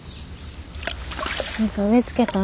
何か植え付けた